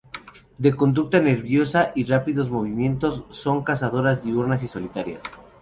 De conducta nerviosa y rápidos movimientos, son cazadoras diurnas y solitarias.